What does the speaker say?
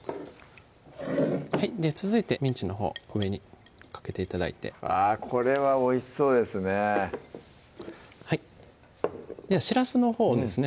続いてミンチのほう上にかけて頂いてあこれはおいしそうですねしらすのほうですね